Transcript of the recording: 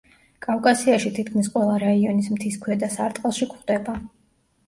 კავკასიაში თითქმის ყველა რაიონის მთის ქვედა სარტყელში გვხვდება.